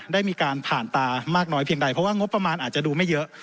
ได้มีการผ่านตามากน้อยเพียงใดเพราะว่างบประมาณอาจจะดูไม่เยอะ